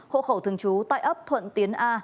hộ khẩu thường trú tại ấp thuận tiến a